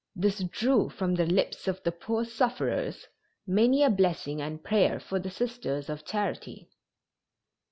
This drew from the lips of the poor sufferers many a blessing and prayer for the Sisters of Charity.